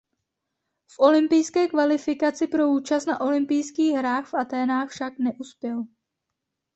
V olympijské kvalifikaci pro účast na olympijských hrách v Athénách však neuspěl.